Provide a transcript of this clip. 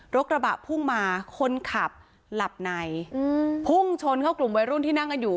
กระบะพุ่งมาคนขับหลับในพุ่งชนเข้ากลุ่มวัยรุ่นที่นั่งกันอยู่